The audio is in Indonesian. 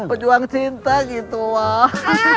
pejuang cinta gitu loh